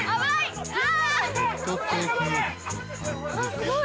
すごい！